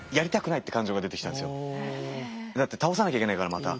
だって倒さなきゃいけないからまた。